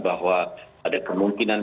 bahwa ada kemungkinan